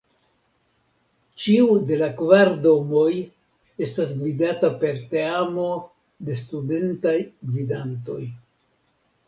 Ĉiu de la kvar domoj estas gvidata per teamo de Studentaj Gvidantoj.